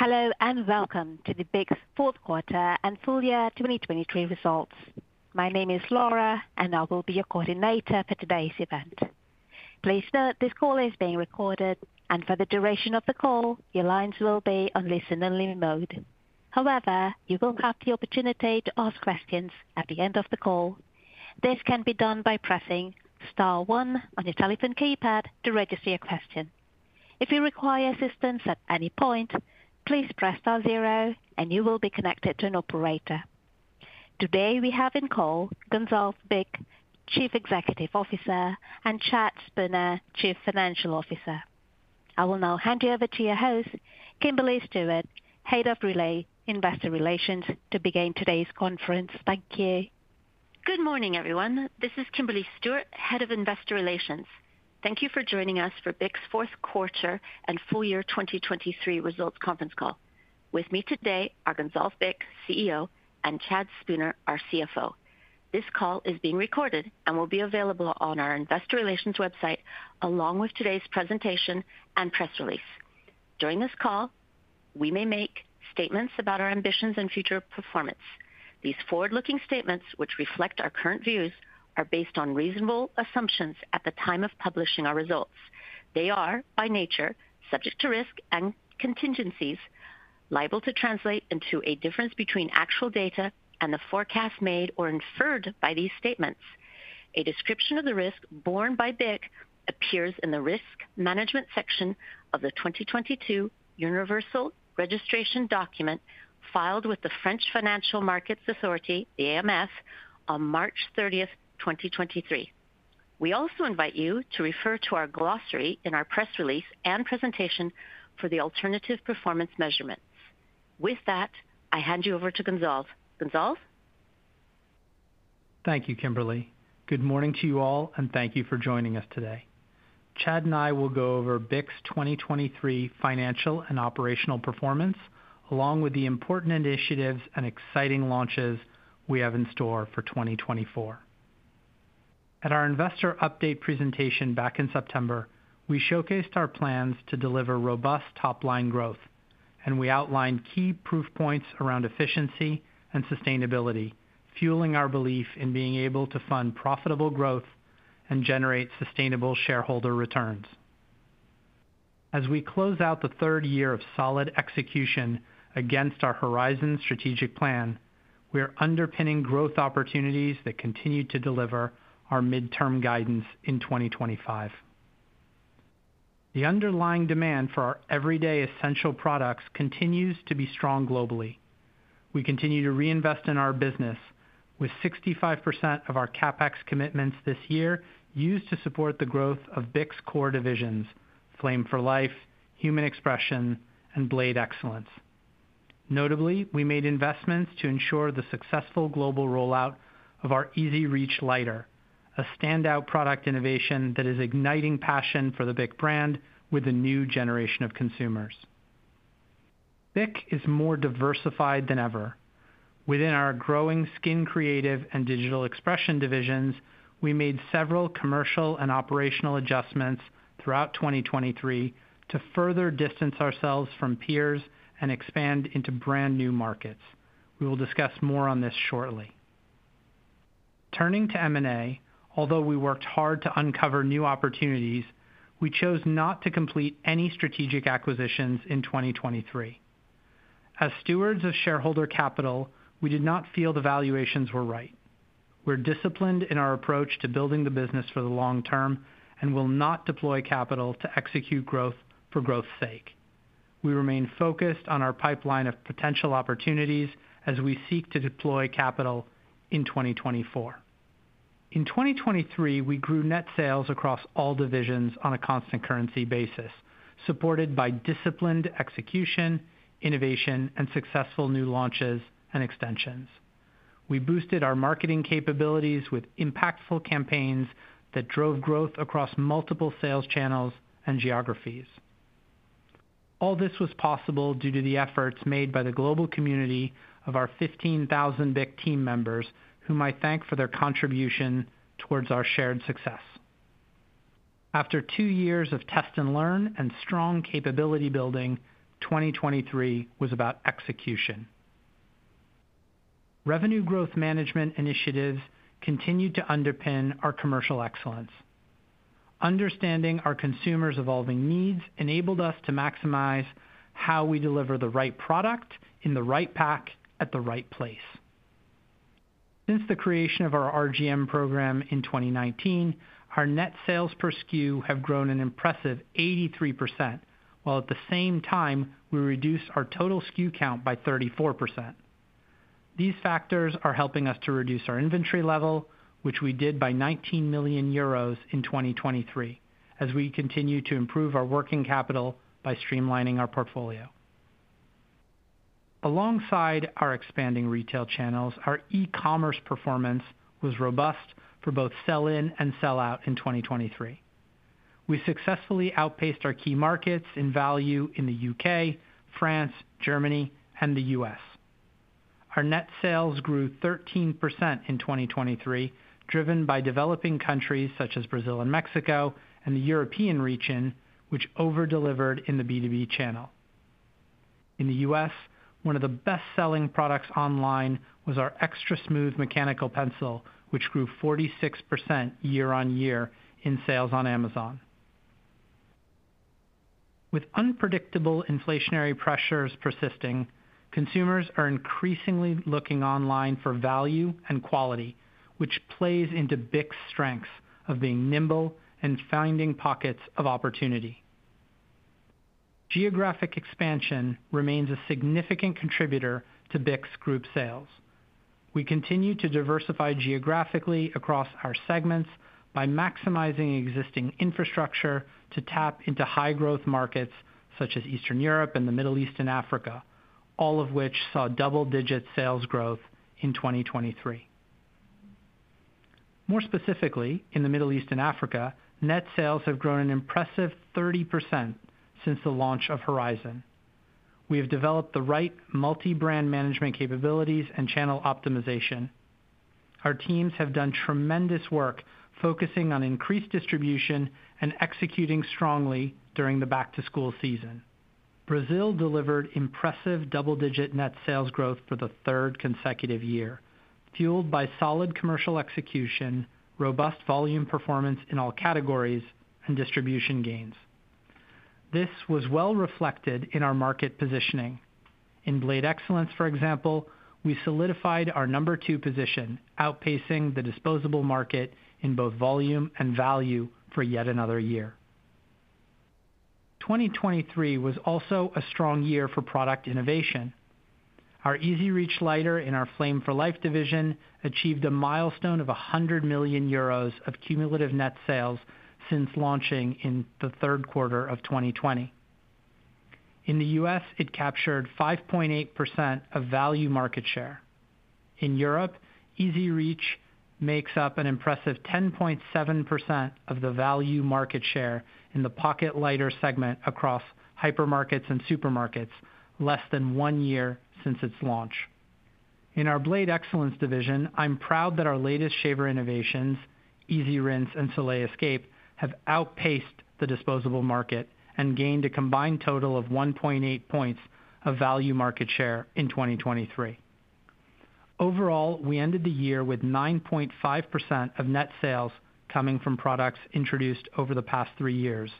Hello, and welcome to BIC's Fourth Quarter and Full-Year 2023 results. My name is Laura, and I will be your coordinator for today's event. Please note, this call is being recorded, and for the duration of the call, your lines will be on listen-only mode. However, you will have the opportunity to ask questions at the end of the call. This can be done by pressing star one on your telephone keypad to register your question. If you require assistance at any point, please press star zero, and you will be connected to an operator. Today, we have in call Gonzalve Bich, Chief Executive Officer, and Chad Spooner, Chief Financial Officer. I will now hand you over to your host, Kimberly Stewart, Head of Investor Relations, to begin today's conference. Thank you. Good morning, everyone. This is Kimberly Stewart, Head of Investor Relations. Thank you for joining us for BIC's Fourth Quarter and Full-Year 2023 results conference call. With me today are Gonzalve Bich, CEO, and Chad Spooner, our CFO. This call is being recorded and will be available on our investor relations website, along with today's presentation and press release. During this call, we may make statements about our ambitions and future performance. These forward-looking statements, which reflect our current views, are based on reasonable assumptions at the time of publishing our results. They are, by nature, subject to risk and contingencies liable to translate into a difference between actual data and the forecast made or inferred by these statements. A description of the risk borne by BIC appears in the risk management section of the 2022 Universal Registration Document filed with the French Financial Markets Authority, the AMF, on March 30th, 2023. We also invite you to refer to our glossary in our press release and presentation for the alternative performance measurements. With that, I hand you over to Gonzalve. Gonzalve? Thank you, Kimberly. Good morning to you all, and thank you for joining us today. Chad and I will go over BIC's 2023 financial and operational performance, along with the important initiatives and exciting launches we have in store for 2024. At our investor update presentation back in September, we showcased our plans to deliver robust top-line growth, and we outlined key proof points around efficiency and sustainability, fueling our belief in being able to fund profitable growth and generate sustainable shareholder returns. As we close out the third year of solid execution against our Horizon strategic plan, we are underpinning growth opportunities that continue to deliver our midterm guidance in 2025. The underlying demand for our everyday essential products continues to be strong globally. We continue to reinvest in our business with 65% of our CapEx commitments this year, used to support the growth of BIC's core divisions: Flame for Life, Human Expression, and Blade Excellence. Notably, we made investments to ensure the successful global rollout of our EZ Reach lighter, a standout product innovation that is igniting passion for the BIC brand with a new generation of consumers. BIC is more diversified than ever. Within our growing Skin Creative and Digital Expression divisions, we made several commercial and operational adjustments throughout 2023 to further distance ourselves from peers and expand into brand-new markets. We will discuss more on this shortly. Turning to M&A, although we worked hard to uncover new opportunities, we chose not to complete any strategic acquisitions in 2023. As stewards of shareholder capital, we did not feel the valuations were right. We're disciplined in our approach to building the business for the long term and will not deploy capital to execute growth for growth's sake. We remain focused on our pipeline of potential opportunities as we seek to deploy capital in 2024. In 2023, we grew net sales across all divisions on a constant currency basis, supported by disciplined execution, innovation, and successful new launches and extensions. We boosted our marketing capabilities with impactful campaigns that drove growth across multiple sales channels and geographies. All this was possible due to the efforts made by the global community of our 15,000 BIC team members, whom I thank for their contribution towards our shared success. After two years of test and learn and strong capability building, 2023 was about execution. Revenue growth management initiatives continued to underpin our commercial excellence. Understanding our consumers' evolving needs enabled us to maximize how we deliver the right product, in the right pack, at the right place. Since the creation of our RGM program in 2019, our net sales per SKU have grown an impressive 83%, while at the same time, we reduced our total SKU count by 34%. These factors are helping us to reduce our inventory level, which we did by 19 million euros in 2023, as we continue to improve our working capital by streamlining our portfolio. Alongside our expanding retail channels, our e-commerce performance was robust for both sell-in and sell-out in 2023. We successfully outpaced our key markets in value in the UK, France, Germany, and the US.... Our net sales grew 13% in 2023, driven by developing countries such as Brazil and Mexico, and the European region, which over-delivered in the B2B channel. In the US, one of the best-selling products online was our Xtra-Smooth mechanical pencil, which grew 46% year-on-year in sales on Amazon. With unpredictable inflationary pressures persisting, consumers are increasingly looking online for value and quality, which plays into BIC's strengths of being nimble and finding pockets of opportunity. Geographic expansion remains a significant contributor to BIC's group sales. We continue to diversify geographically across our segments by maximizing existing infrastructure to tap into high-growth markets such as Eastern Europe and the Middle East and Africa, all of which saw double-digit sales growth in 2023. More specifically, in the Middle East and Africa, net sales have grown an impressive 30% since the launch of Horizon. We have developed the right multi-brand management capabilities and channel optimization. Our teams have done tremendous work focusing on increased distribution and executing strongly during the back-to-school season. Brazil delivered impressive double-digit net sales growth for the third consecutive year, fueled by solid commercial execution, robust volume performance in all categories, and distribution gains. This was well reflected in our market positioning. In Blade Excellence, for example, we solidified our number two position, outpacing the disposable market in both volume and value for yet another year. 2023 was also a strong year for product innovation. Our EZ Reach lighter in our Flame for Life division achieved a milestone of 100 million euros of cumulative net sales since launching in the third quarter of 2020. In the US, it captured 5.8% of value market share. In Europe, EZ Reach makes up an impressive 10.7% of the value market share in the pocket lighter segment across hypermarkets and supermarkets, less than one year since its launch. In our Blade Excellence division, I'm proud that our latest shaver innovations, EasyRinse and Soleil Escape, have outpaced the disposable market and gained a combined total of 1.8 points of value market share in 2023. Overall, we ended the year with 9.5% of net sales coming from products introduced over the past three years,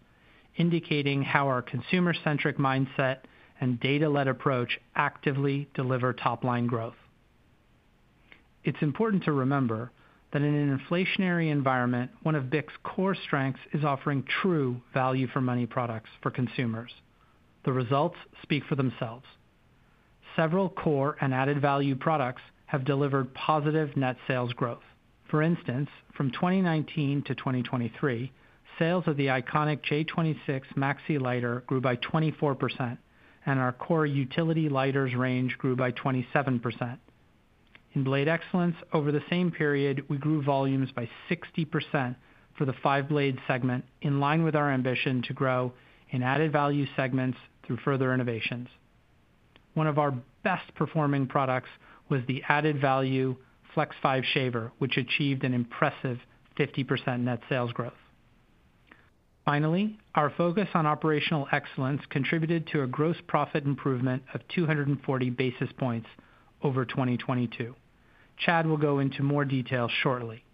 indicating how our consumer-centric mindset and data-led approach actively deliver top-line growth. It's important to remember that in an inflationary environment, one of BIC's core strengths is offering true value-for-money products for consumers. The results speak for themselves. Several core and added-value products have delivered positive net sales growth. For instance, from 2019 to 2023, sales of the iconic J26 Maxi Lighter grew by 24%, and our core utility lighters range grew by 27%. In Blade Excellence, over the same period, we grew volumes by 60% for the five-blade segment, in line with our ambition to grow in added-value segments through further innovations. One of our best-performing products was the added-value Flex 5 shaver, which achieved an impressive 50% net sales growth. Finally, our focus on operational excellence contributed to a gross profit improvement of 240 basis points over 2022. Chad will go into more detail shortly.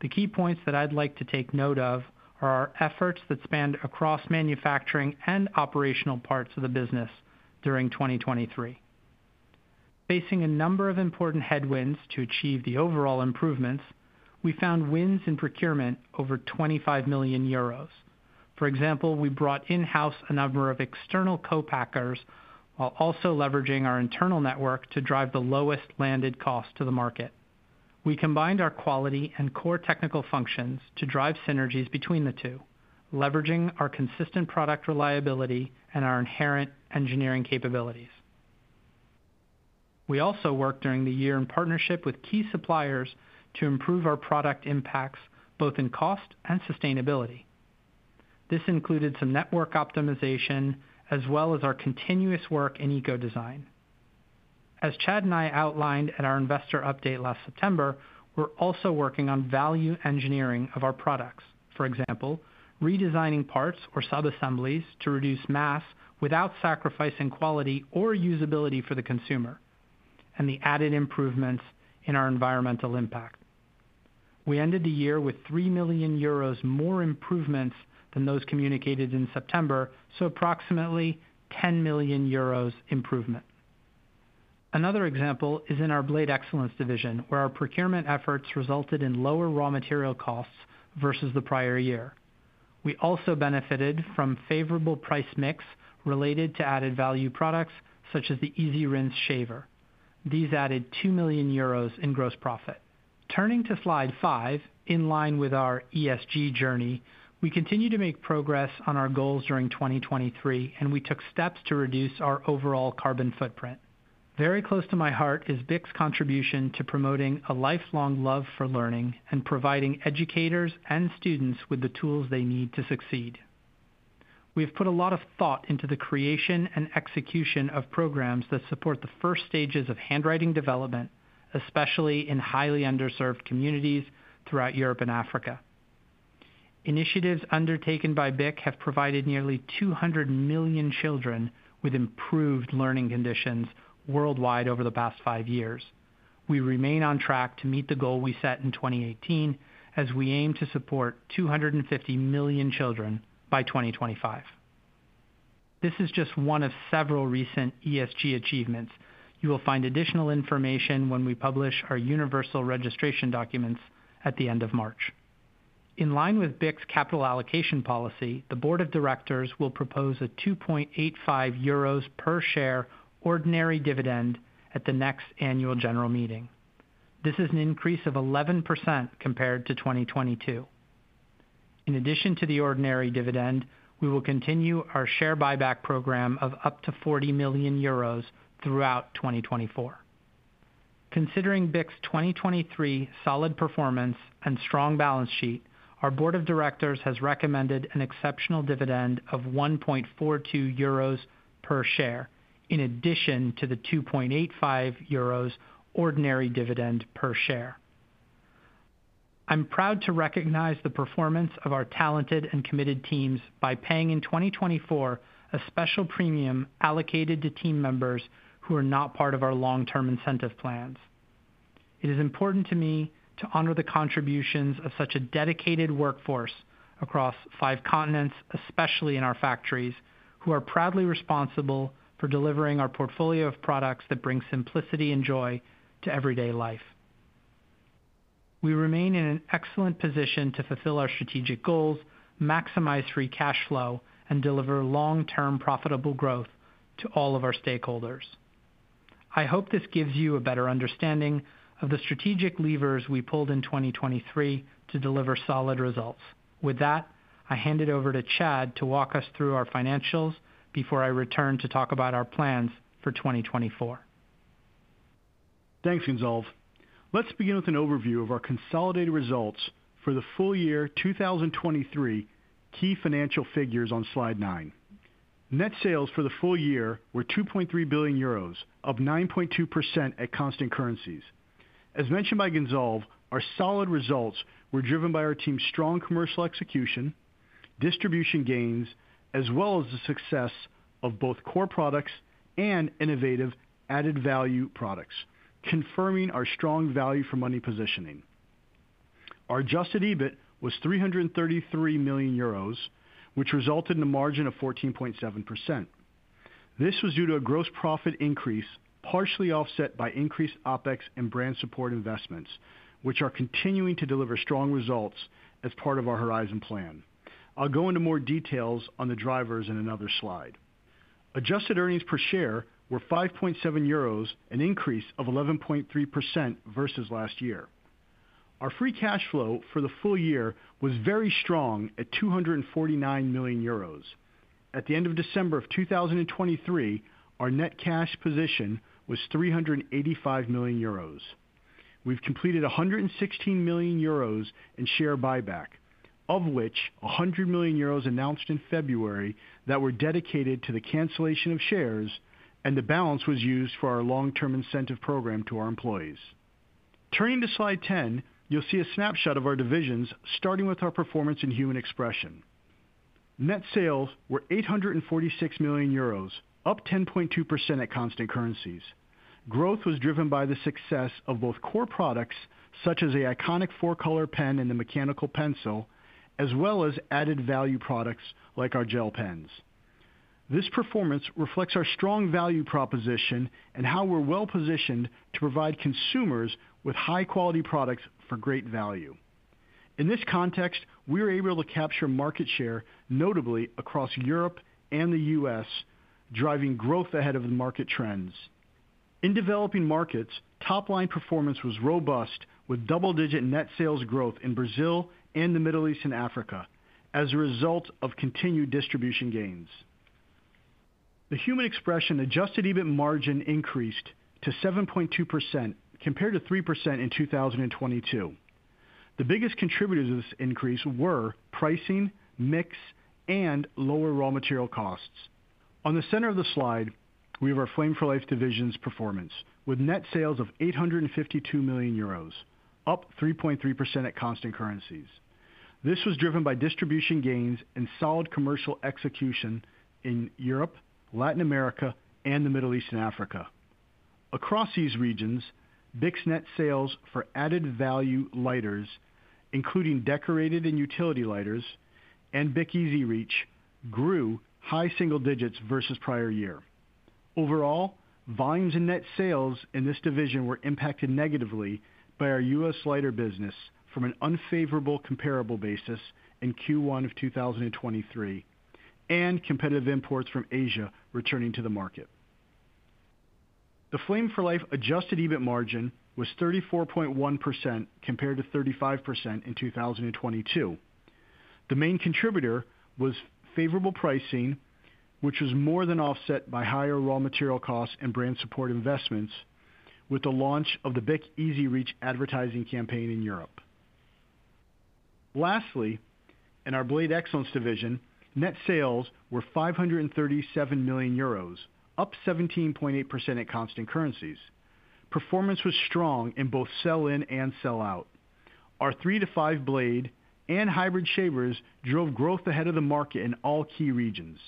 The key points that I'd like to take note of are our efforts that spanned across manufacturing and operational parts of the business during 2023. Facing a number of important headwinds to achieve the overall improvements, we found wins in procurement over 25 million euros. For example, we brought in-house a number of external co-packers, while also leveraging our internal network to drive the lowest landed cost to the market. We combined our quality and core technical functions to drive synergies between the two, leveraging our consistent product reliability and our inherent engineering capabilities. We also worked during the year in partnership with key suppliers to improve our product impacts, both in cost and sustainability. This included some network optimization, as well as our continuous work in eco design. As Chad and I outlined at our investor update last September, we're also working on value engineering of our products. For example, redesigning parts or subassemblies to reduce mass without sacrificing quality or usability for the consumer, and the added improvements in our environmental impact. We ended the year with 3 million euros more improvements than those communicated in September, so approximately 10 million euros improvement. Another example is in our Blade Excellence division, where our procurement efforts resulted in lower raw material costs versus the prior year. We also benefited from favorable price mix related to added-value products, such as the EasyRinse shaver. These added 2 million euros in gross profit. Turning to slide five, in line with our ESG journey, we continue to make progress on our goals during 2023, and we took steps to reduce our overall carbon footprint. Very close to my heart is BIC's contribution to promoting a lifelong love for learning and providing educators and students with the tools they need to succeed. We've put a lot of thought into the creation and execution of programs that support the first stages of handwriting development, especially in highly underserved communities throughout Europe and Africa. Initiatives undertaken by BIC have provided nearly 200 million children with improved learning conditions worldwide over the past five years. We remain on track to meet the goal we set in 2018, as we aim to support 250 million children by 2025. This is just one of several recent ESG achievements. You will find additional information when we publish our universal registration documents at the end of March. In line with BIC's capital allocation policy, the board of directors will propose a 2.85 euros per share ordinary dividend at the next annual general meeting. This is an increase of 11% compared to 2022. In addition to the ordinary dividend, we will continue our share buyback program of up to 40 million euros throughout 2024. Considering BIC's 2023 solid performance and strong balance sheet, our board of directors has recommended an exceptional dividend of 1.42 euros per share, in addition to the 2.85 euros ordinary dividend per share. I'm proud to recognize the performance of our talented and committed teams by paying in 2024, a special premium allocated to team members who are not part of our long-term incentive plans. It is important to me to honor the contributions of such a dedicated workforce across five continents, especially in our factories, who are proudly responsible for delivering our portfolio of products that bring simplicity and joy to everyday life. We remain in an excellent position to fulfill our strategic goals, maximize free cash flow, and deliver long-term profitable growth to all of our stakeholders. I hope this gives you a better understanding of the strategic levers we pulled in 2023 to deliver solid results. With that, I hand it over to Chad to walk us through our financials before I return to talk about our plans for 2024. Thanks, Gonzalve. Let's begin with an overview of our consolidated results for the full-year, 2023, key financial figures on slide nine. Net sales for the full-year were 2.3 billion euros, up 9.2% at constant currencies. As mentioned by Gonzalve, our solid results were driven by our team's strong commercial execution, distribution gains, as well as the success of both core products and innovative added value products, confirming our strong value for money positioning. Our adjusted EBIT was 333 million euros, which resulted in a margin of 14.7%. This was due to a gross profit increase, partially offset by increased OpEx and brand support investments, which are continuing to deliver strong results as part of our Horizon Plan. I'll go into more details on the drivers in another slide. Adjusted earnings per share were 5.7 euros, an increase of 11.3% versus last year. Our free cash flow for the full-year was very strong, at 249 million euros. At the end of December of 2023, our net cash position was 385 million euros. We've completed 116 million euros in share buyback, of which 100 million euros announced in February, that were dedicated to the cancellation of shares, and the balance was used for our long-term incentive program to our employees. Turning to slide 10, you'll see a snapshot of our divisions, starting with our performance in Human Expression. Net sales were 846 million euros, up 10.2% at constant currencies. Growth was driven by the success of both core products, such as the iconic 4-Color Pen and the mechanical pencil, as well as added value products like our gel pens. This performance reflects our strong value proposition and how we're well positioned to provide consumers with high-quality products for great value. In this context, we are able to capture market share, notably across Europe and the U.S., driving growth ahead of the market trends. In developing markets, top-line performance was robust, with double-digit net sales growth in Brazil and the Middle East and Africa as a result of continued distribution gains. The Human Expression adjusted EBIT margin increased to 7.2%, compared to 3% in 2022. The biggest contributors to this increase were pricing, mix, and lower raw material costs. On the center of the slide, we have our Flame for Life division's performance, with net sales of 852 million euros, up 3.3% at constant currencies. This was driven by distribution gains and solid commercial execution in Europe, Latin America, and the Middle East and Africa. Across these regions, BIC's net sales for added value lighters, including decorated and utility lighters and BIC EZ Reach, grew high single digits versus prior year. Overall, volumes and net sales in this division were impacted negatively by our U.S. lighter business from an unfavorable comparable basis in Q1 of 2023, and competitive imports from Asia returning to the market. The Flame for Life adjusted EBIT margin was 34.1%, compared to 35% in 2022. The main contributor was favorable pricing, which was more than offset by higher raw material costs and brand support investments, with the launch of the BIC EZ Reach advertising campaign in Europe. Lastly, in our Blade Excellence division, net sales were 537 million euros, up 17.8% at constant currencies. Performance was strong in both sell-in and sell-out. Our three to five blade and hybrid shavers drove growth ahead of the market in all key regions.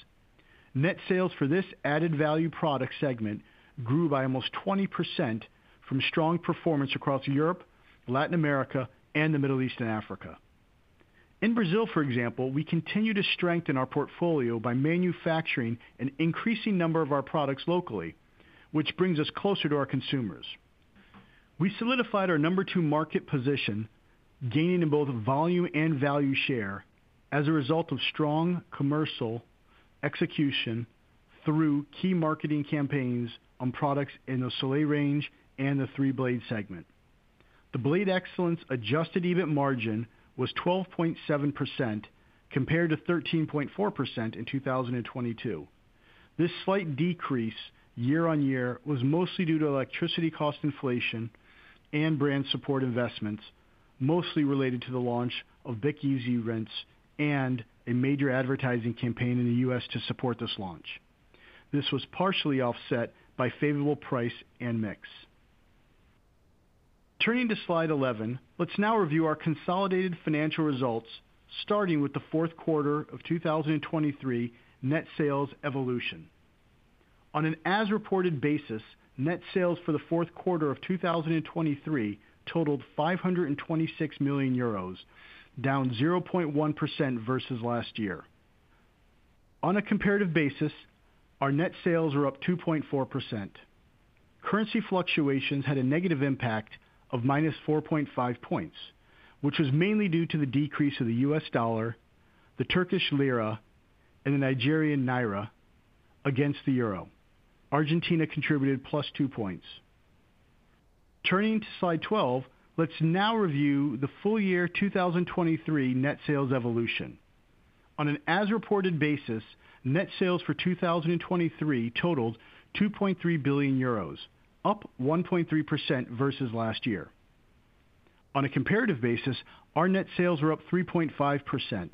Net sales for this added value product segment grew by almost 20% from strong performance across Europe, Latin America, and the Middle East and Africa. In Brazil, for example, we continue to strengthen our portfolio by manufacturing an increasing number of our products locally, which brings us closer to our consumers. We solidified our number two market position, gaining in both volume and value share as a result of strong commercial execution through key marketing campaigns on products in the Soleil range and the three-blade segment. The Blade Excellence adjusted EBIT margin was 12.7%, compared to 13.4% in 2022. This slight decrease year-on-year was mostly due to electricity cost inflation and brand support investments, mostly related to the launch of BIC EasyRinse and a major advertising campaign in the US to support this launch. This was partially offset by favorable price and mix. Turning to slide 11, let's now review our consolidated financial results, starting with the fourth quarter of 2023 net sales evolution. On an as-reported basis, net sales for the fourth quarter of 2023 totaled 526 million euros, down 0.1% versus last year. On a comparative basis, our net sales were up 2.4%. Currency fluctuations had a negative impact of -4.5 points, which was mainly due to the decrease of the US dollar, the Turkish lira, and the Nigerian naira against the euro. Argentina contributed +2 points. Turning to slide 12, let's now review the full-year 2023 net sales evolution. On an as-reported basis, net sales for 2023 totaled 2.3 billion euros, up 1.3% versus last year. On a comparative basis, our net sales were up 3.5%.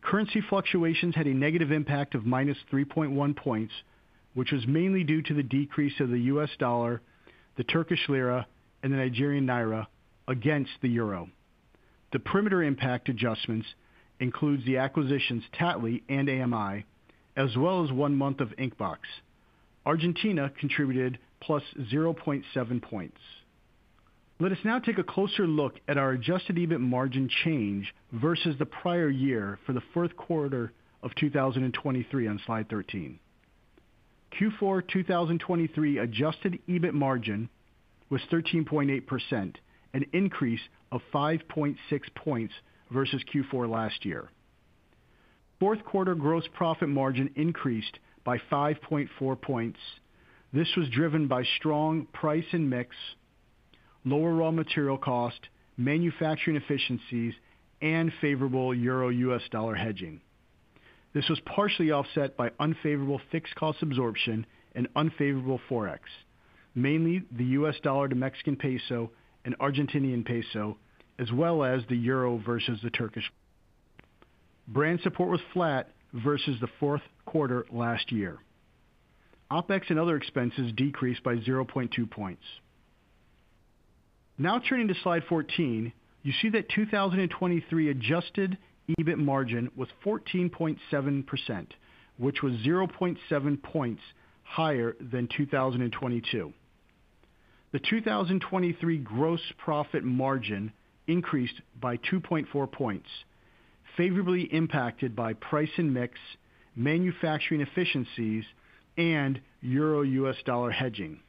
Currency fluctuations had a negative impact of -3.1 points, which was mainly due to the decrease of the U.S. dollar, the Turkish lira, and the Nigerian naira against the euro. The perimeter impact adjustments includes the acquisitions Tattly and AMI, as well as 1 month of Inkbox. Argentina contributed +0.7 points. Let us now take a closer look at our adjusted EBIT margin change versus the prior year for the fourth quarter of 2023 on slide 13. Q4 2023 adjusted EBIT margin was 13.8%, an increase of 5.6 points versus Q4 last year. Fourth quarter gross profit margin increased by 5.4 points. This was driven by strong price and mix, lower raw material cost, manufacturing efficiencies, and favorable euro/U.S. dollar hedging. This was partially offset by unfavorable fixed cost absorption and unfavorable Forex, mainly the U.S. dollar to Mexican peso and Argentine peso, as well as the euro versus the Turkish lira. Brand support was flat versus the fourth quarter last year. OpEx and other expenses decreased by 0.2 points. Now turning to slide 14, you see that 2023 adjusted EBIT margin was 14.7%, which was 0.7 points higher than 2022. The 2023 gross profit margin increased by 2.4 points, favorably impacted by price and mix, manufacturing efficiencies, and euro/U.S. dollar hedging.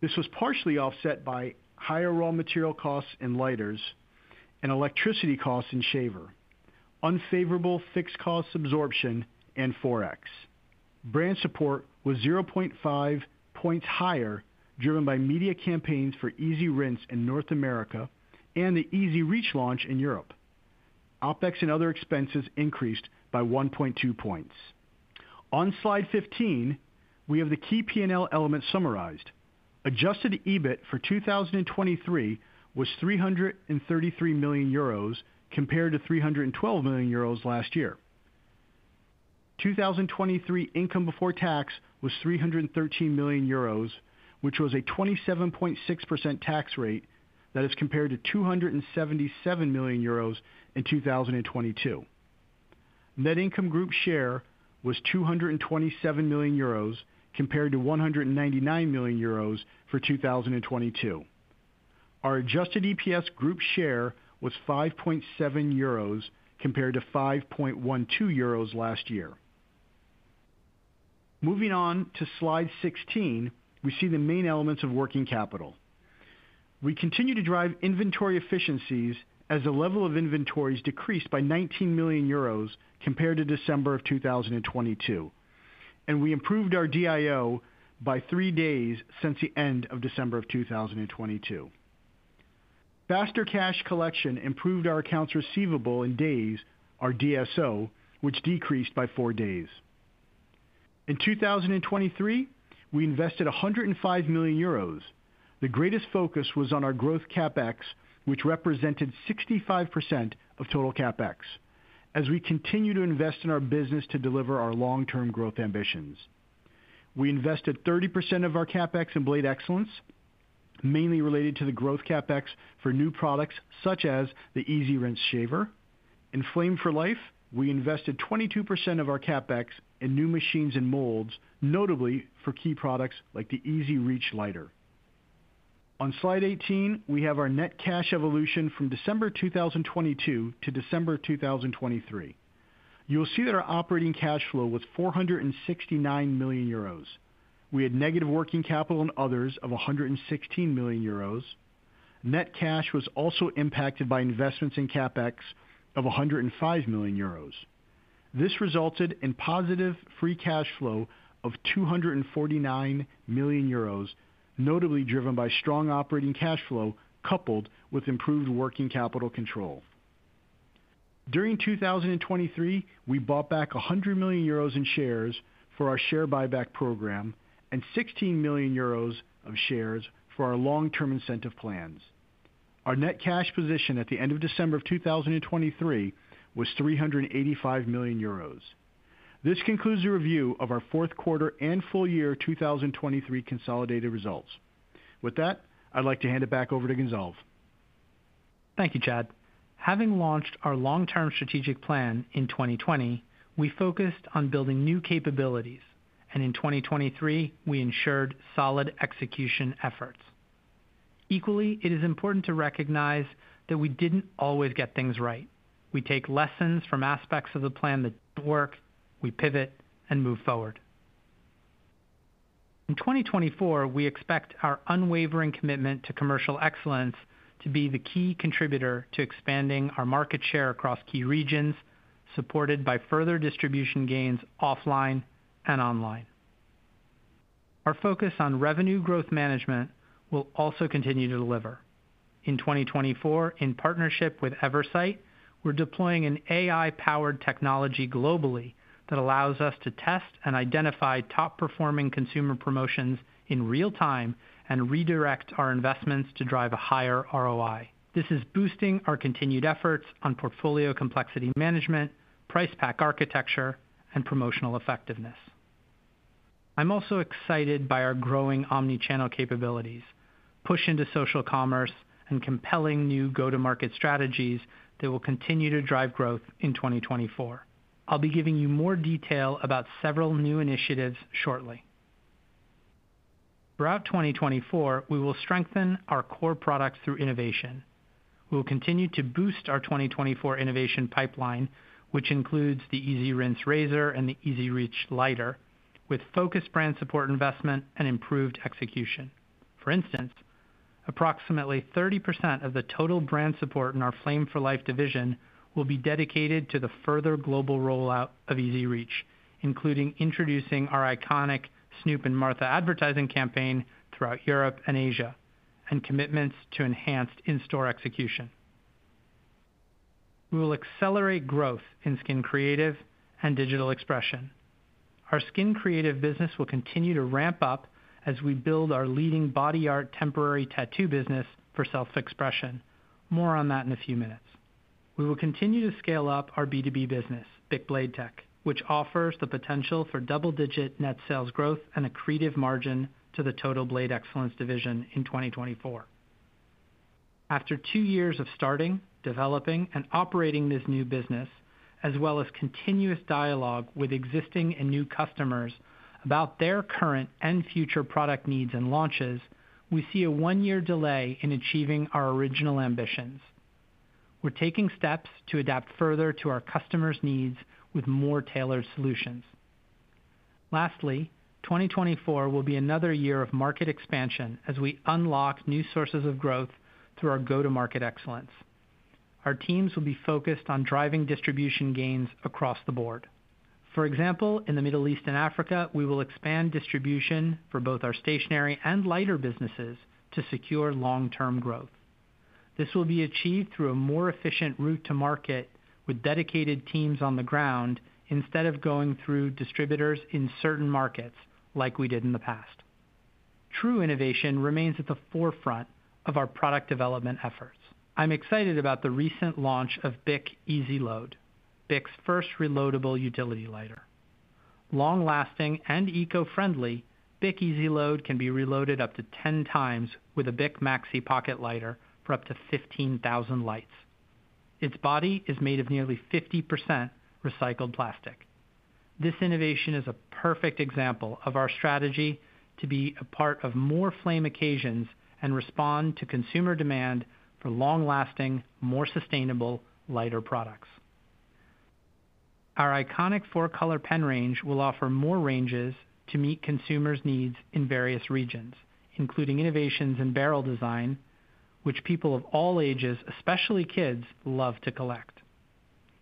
This was partially offset by higher raw material costs in lighters and electricity costs in shaver, unfavorable fixed cost absorption, and Forex. Brand support was 0.5 points higher, driven by media campaigns for EasyRinse in North America and the EZ Reach launch in Europe. OpEx and other expenses increased by 1.2 points. On slide 15, we have the key P&L elements summarized. Adjusted EBIT for 2023 was 333 million euros, compared to 312 million euros last year. 2023 income before tax was 313 million euros, which was a 27.6% tax rate. That is compared to 277 million euros in 2022. Net income group share was 227 million euros, compared to 199 million euros for 2022. Our adjusted EPS group share was 5.7 euros, compared to 5.12 euros last year. Moving on to slide 16, we see the main elements of working capital. We continue to drive inventory efficiencies as the level of inventories decreased by 19 million euros compared to December 2022, and we improved our DIO by three days since the end of December 2022. Faster cash collection improved our accounts receivable in days, our DSO, which decreased by four days. In 2023, we invested 105 million euros. The greatest focus was on our growth CapEx, which represented 65% of total CapEx, as we continue to invest in our business to deliver our long-term growth ambitions. We invested 30% of our CapEx in Blade Excellence, mainly related to the growth CapEx for new products, such as the EasyRinse Shaver. In Flame for Life, we invested 22% of our CapEx in new machines and molds, notably for key products like the EZ Reach lighter. On slide 18, we have our net cash evolution from December 2022 to December 2023. You will see that our operating cash flow was 469 million euros. We had negative working capital and others of 116 million euros. Net cash was also impacted by investments in CapEx of 105 million euros. This resulted in positive free cash flow of 249 million euros, notably driven by strong operating cash flow, coupled with improved working capital control. During 2023, we bought back 100 million euros in shares for our share buyback program and 16 million euros of shares for our long-term incentive plans. Our net cash position at the end of December of 2023 was 385 million euros. This concludes the review of our fourth quarter and full-year 2023 consolidated results. With that, I'd like to hand it back over to Gonzalve. Thank you, Chad. Having launched our long-term strategic plan in 2020, we focused on building new capabilities, and in 2023, we ensured solid execution efforts. Equally, it is important to recognize that we didn't always get things right. We take lessons from aspects of the plan that work, we pivot and move forward. In 2024, we expect our unwavering commitment to commercial excellence to be the key contributor to expanding our market share across key regions, supported by further distribution gains offline and online. Our focus on revenue growth management will also continue to deliver. In 2024, in partnership with Eversight, we're deploying an AI-powered technology globally, that allows us to test and identify top-performing consumer promotions in real time and redirect our investments to drive a higher ROI. This is boosting our continued efforts on portfolio complexity management, price pack architecture, and promotional effectiveness. I'm also excited by our growing omni-channel capabilities, push into social commerce, and compelling new go-to-market strategies that will continue to drive growth in 2024. I'll be giving you more detail about several new initiatives shortly. Throughout 2024, we will strengthen our core products through innovation. We will continue to boost our 2024 innovation pipeline, which includes the EasyRinse Razor and the EZ Reach Lighter, with focused brand support, investment, and improved execution. For instance, approximately 30% of the total brand support in our Flame for Life division will be dedicated to the further global rollout of EZ Reach, including introducing our iconic Snoop and Martha advertising campaign throughout Europe and Asia, and commitments to enhanced in-store execution. We will accelerate growth in Skin Creative and Digital Expression. Our Skin Creative business will continue to ramp up as we build our leading body art temporary tattoo business for self-expression. More on that in a few minutes. We will continue to scale up our B2B business, BIC Blade Tech, which offers the potential for double-digit net sales growth and accretive margin to the total Blade Excellence division in 2024. After two years of starting, developing, and operating this new business, as well as continuous dialogue with existing and new customers about their current and future product needs and launches, we see a one-year delay in achieving our original ambitions. We're taking steps to adapt further to our customers' needs with more tailored solutions. Lastly, 2024 will be another year of market expansion as we unlock new sources of growth through our go-to-market excellence. Our teams will be focused on driving distribution gains across the board. For example, in the Middle East and Africa, we will expand distribution for both our stationery and lighter businesses to secure long-term growth. This will be achieved through a more efficient route to market, with dedicated teams on the ground, instead of going through distributors in certain markets like we did in the past. True innovation remains at the forefront of our product development efforts. I'm excited about the recent launch of BIC EZ Load, BIC's first reloadable utility lighter. Long-lasting and eco-friendly, BIC EZ Load can be reloaded up to 10x with a BIC Maxi Pocket lighter for up to 15,000 lights. Its body is made of nearly 50% recycled plastic. This innovation is a perfect example of our strategy to be a part of more flame occasions and respond to consumer demand for long-lasting, more sustainable lighter products. Our iconic 4-Color Pen range will offer more ranges to meet consumers' needs in various regions, including innovations in barrel design, which people of all ages, especially kids, love to collect.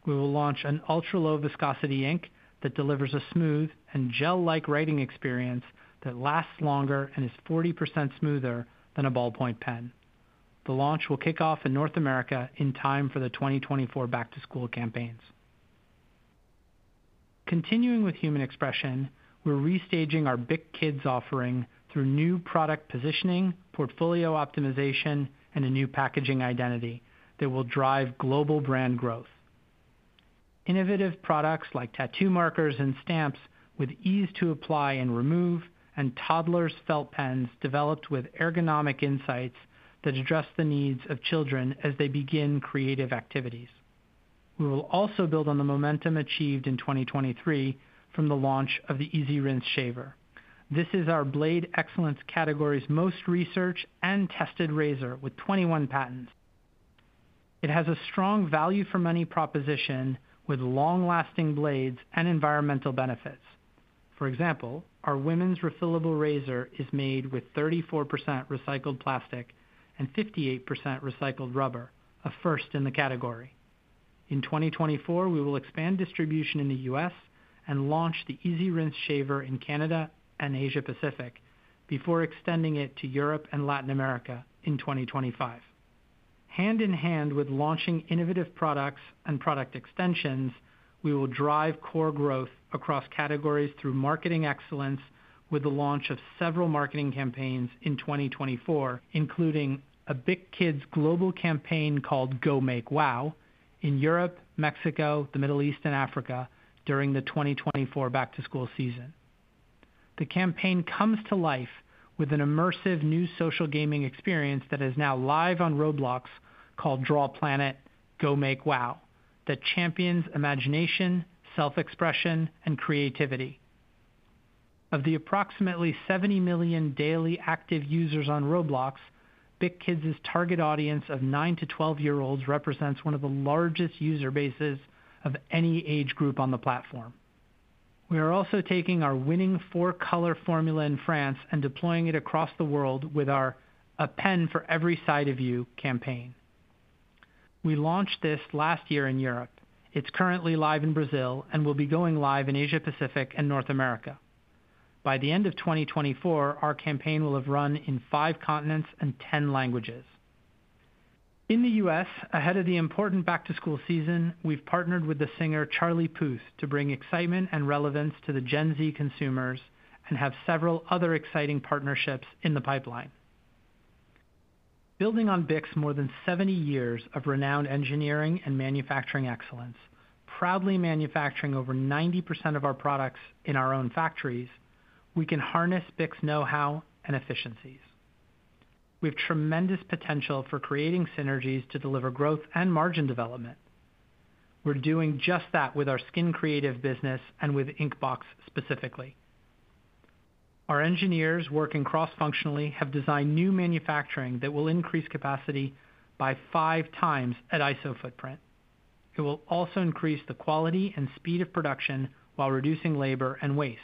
We will launch an ultra-low viscosity ink that delivers a smooth and gel-like writing experience that lasts longer and is 40% smoother than a ballpoint pen. The launch will kick off in North America in time for the 2024 back-to-school campaigns. Continuing with Human Expression, we're restaging our BIC Kids offering through new product positioning, portfolio optimization, and a new packaging identity that will drive global brand growth. Innovative products like tattoo markers and stamps with ease to apply and remove, and toddlers felt pens developed with ergonomic insights that address the needs of children as they begin creative activities. We will also build on the momentum achieved in 2023 from the launch of the EasyRinse Shaver. This is our Blade Excellence category's most researched and tested razor with 21 patents. It has a strong value for money proposition, with long-lasting blades and environmental benefits. For example, our women's refillable razor is made with 34% recycled plastic and 58% recycled rubber, a first in the category. In 2024, we will expand distribution in the U.S. and launch the EasyRinse Shaver in Canada and Asia Pacific, before extending it to Europe and Latin America in 2025. Hand in hand with launching innovative products and product extensions, we will drive core growth across categories through marketing excellence, with the launch of several marketing campaigns in 2024, including a BIC Kids global campaign called Go Make Wow in Europe, Mexico, the Middle East, and Africa during the 2024 back-to-school season. The campaign comes to life with an immersive new social gaming experience that is now live on Roblox, called Draw Planet: Go Make Wow, that champions imagination, self-expression, and creativity. Of the approximately 70 million daily active users on Roblox, BIC Kids's target audience of 9-12 year-olds represents one of the largest user bases of any age group on the platform. We are also taking our winning four-color formula in France and deploying it across the world with our "A Pen for Every Side of You" campaign. We launched this last year in Europe. It's currently live in Brazil and will be going live in Asia Pacific and North America. By the end of 2024, our campaign will have run in five continents and 10 languages. In the US, ahead of the important back-to-school season, we've partnered with the singer Charlie Puth to bring excitement and relevance to the Gen Z consumers, and have several other exciting partnerships in the pipeline. Building on BIC's more than 70 years of renowned engineering and manufacturing excellence, proudly manufacturing over 90% of our products in our own factories, we can harness BIC's know-how and efficiencies. We have tremendous potential for creating synergies to deliver growth and margin development. We're doing just that with our Skin Creative business and with Inkbox specifically. Our engineers working cross-functionally have designed new manufacturing that will increase capacity by 5x at iso footprint. It will also increase the quality and speed of production while reducing labor and waste.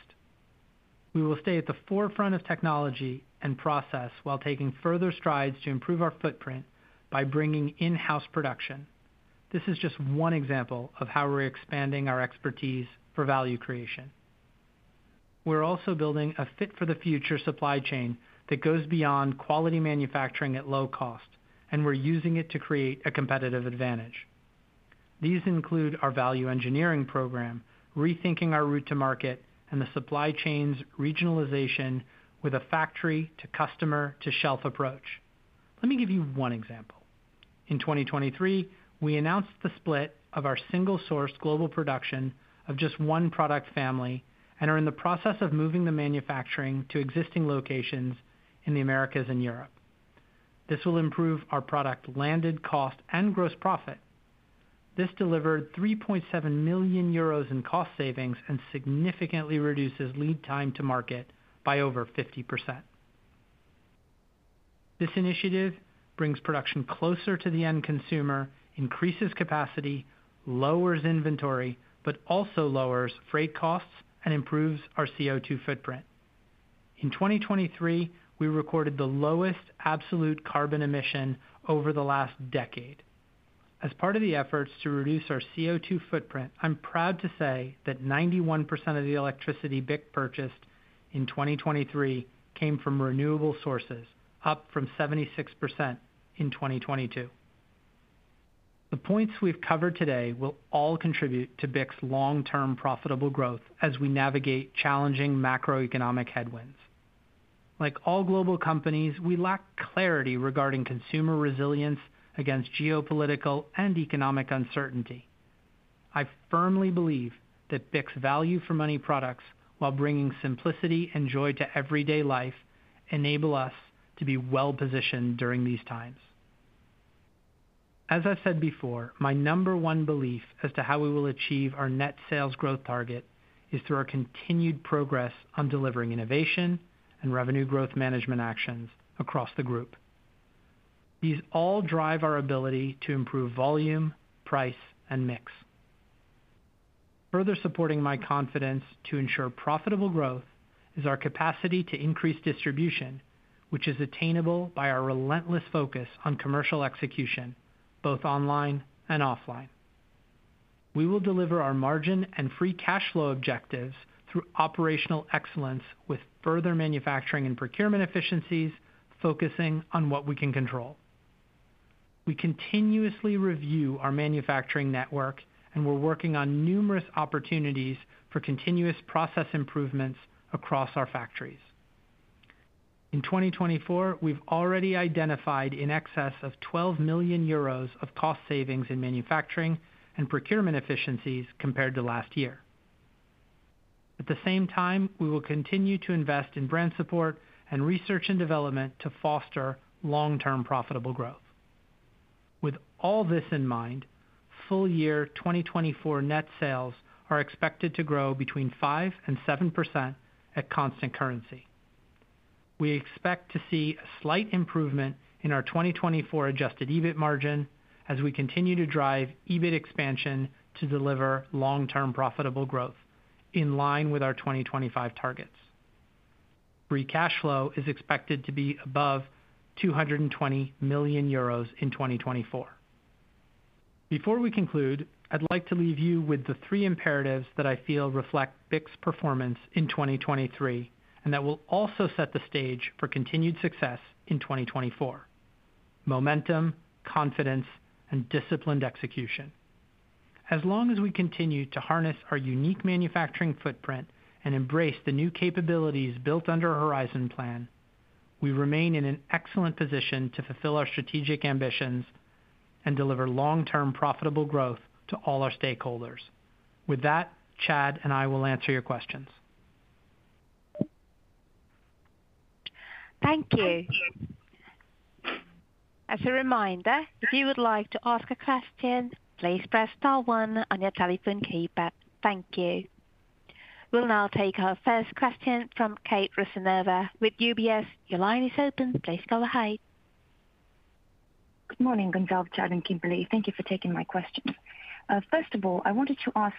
We will stay at the forefront of technology and process while taking further strides to improve our footprint by bringing in-house production. This is just one example of how we're expanding our expertise for value creation. We're also building a fit-for-the-future supply chain that goes beyond quality manufacturing at low cost, and we're using it to create a competitive advantage. These include our value engineering program, rethinking our route to market, and the supply chain's regionalization with a factory to customer to shelf approach. Let me give you one example. In 2023, we announced the split of our single source global production of just one product family, and are in the process of moving the manufacturing to existing locations in the Americas and Europe. This will improve our product landed, cost, and gross profit. This delivered 3.7 million euros in cost savings, and significantly reduces lead time to market by over 50%. This initiative brings production closer to the end consumer, increases capacity, lowers inventory, but also lowers freight costs and improves our CO2 footprint. In 2023, we recorded the lowest absolute carbon emission over the last decade. As part of the efforts to reduce our CO2 footprint, I'm proud to say that 91% of the electricity BIC purchased in 2023 came from renewable sources, up from 76% in 2022. The points we've covered today will all contribute to BIC's long-term profitable growth as we navigate challenging macroeconomic headwinds. Like all global companies, we lack clarity regarding consumer resilience against geopolitical and economic uncertainty. I firmly believe that BIC's value for money products, while bringing simplicity and joy to everyday life, enable us to be well positioned during these times. As I've said before, my number one belief as to how we will achieve our net sales growth target, is through our continued progress on delivering innovation and revenue growth management actions across the group. These all drive our ability to improve volume, price, and mix. Further supporting my confidence to ensure profitable growth, is our capacity to increase distribution, which is attainable by our relentless focus on commercial execution, both online and offline. We will deliver our margin and free cash flow objectives through operational excellence with further manufacturing and procurement efficiencies, focusing on what we can control. We continuously review our manufacturing network, and we're working on numerous opportunities for continuous process improvements across our factories. In 2024, we've already identified in excess of 12 million euros of cost savings in manufacturing and procurement efficiencies compared to last year. At the same time, we will continue to invest in brand support and research and development to foster long-term profitable growth. With all this in mind, full-year 2024 net sales are expected to grow between 5% and 7% at constant currency. We expect to see a slight improvement in our 2024 adjusted EBIT margin as we continue to drive EBIT expansion to deliver long-term profitable growth in line with our 2025 targets. Free cash flow is expected to be above 220 million euros in 2024. Before we conclude, I'd like to leave you with the three imperatives that I feel reflect BIC's performance in 2023, and that will also set the stage for continued success in 2024: momentum, confidence, and disciplined execution. As long as we continue to harness our unique manufacturing footprint and embrace the new capabilities built under our Horizon Plan, we remain in an excellent position to fulfill our strategic ambitions and deliver long-term profitable growth to all our stakeholders. With that, Chad and I will answer your questions. Thank you. As a reminder, if you would like to ask a question, please press star one on your telephone keypad. Thank you. We'll now take our first question from Kate Rusanova with UBS. Your line is open. Please go ahead. Good morning, Gonzalve, Chad, and Kimberly. Thank you for taking my questions. First of all, I wanted to ask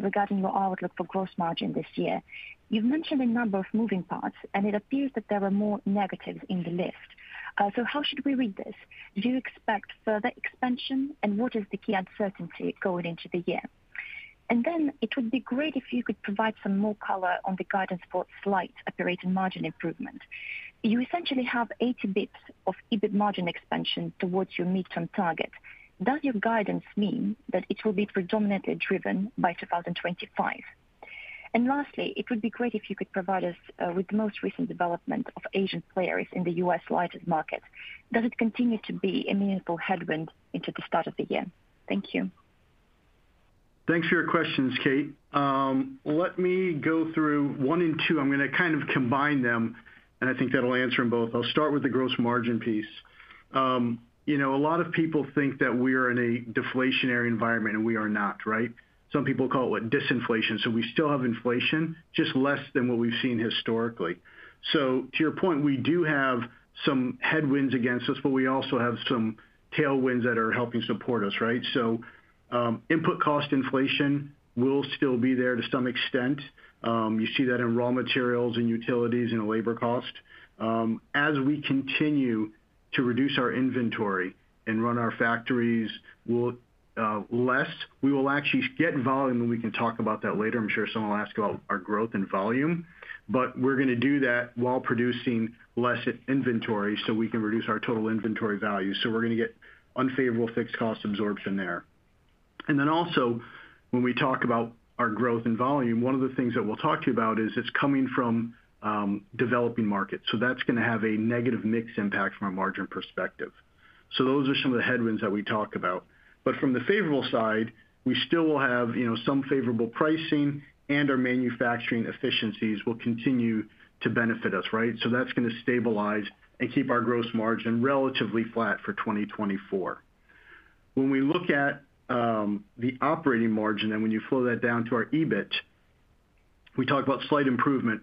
regarding your outlook for gross margin this year. You've mentioned a number of moving parts, and it appears that there are more negatives in the list. So how should we read this? Do you expect further expansion, and what is the key uncertainty going into the year? And then it would be great if you could provide some more color on the guidance for slight operating margin improvement. You essentially have 80 basis points of EBIT margin expansion towards your midterm target. Does your guidance mean that it will be predominantly driven by 2025? And lastly, it would be great if you could provide us with the most recent development of Asian players in the U.S. lighter market. Does it continue to be a meaningful headwind into the start of the year? Thank you. Thanks for your questions, Kate. Let me go through one and two. I'm gonna kind of combine them, and I think that'll answer them both. I'll start with the gross margin piece. You know, a lot of people think that we are in a deflationary environment, and we are not, right? Some people call it disinflation, so we still have inflation, just less than what we've seen historically. So to your point, we do have some headwinds against us, but we also have some tailwinds that are helping support us, right? So, input cost inflation will still be there to some extent. You see that in raw materials and utilities and in labor cost. As we continue to reduce our inventory and run our factories, we will actually get volume, and we can talk about that later. I'm sure someone will ask about our growth and volume, but we're gonna do that while producing less inventory, so we can reduce our total inventory value. So we're gonna get unfavorable fixed cost absorption there. And then also, when we talk about our growth and volume, one of the things that we'll talk to you about is it's coming from developing markets. So that's gonna have a negative mix impact from a margin perspective. So those are some of the headwinds that we talk about. But from the favorable side, we still will have, you know, some favorable pricing, and our manufacturing efficiencies will continue to benefit us, right? So that's gonna stabilize and keep our gross margin relatively flat for 2024. When we look at the operating margin, and when you flow that down to our EBIT, we talk about slight improvement,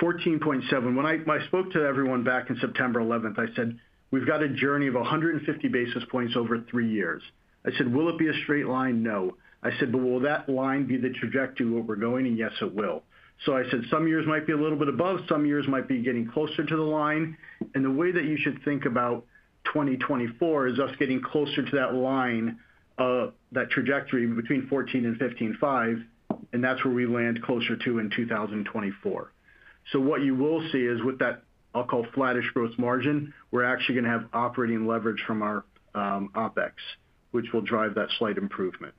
14.7. When I spoke to everyone back in September 11th, I said, "We've got a journey of 150 basis points over three years." I said, "Will it be a straight line? No." I said, "But will that line be the trajectory of where we're going? And yes, it will." So I said, "Some years might be a little bit above, some years might be getting closer to the line." And the way that you should think about 2024 is us getting closer to that line, that trajectory between 14 and 15.5, and that's where we land closer to in 2024. So what you will see is with that, I'll call flattish growth margin, we're actually gonna have operating leverage from our OpEx, which will drive that slight improvement.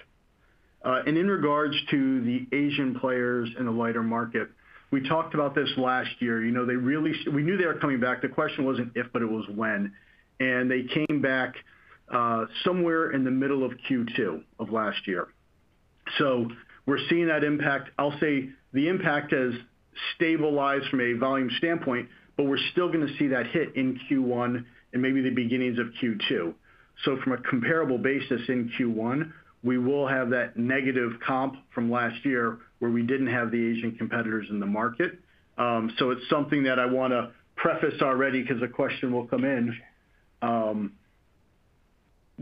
And in regards to the Asian players in the lighter market, we talked about this last year. You know, they really, we knew they were coming back. The question wasn't if, but it was when. And they came back somewhere in the middle of Q2 of last year. So we're seeing that impact. I'll say the impact has stabilized from a volume standpoint, but we're still gonna see that hit in Q1 and maybe the beginnings of Q2. So from a comparable basis in Q1, we will have that negative comp from last year where we didn't have the Asian competitors in the market. So it's something that I wanna preface already because the question will come in.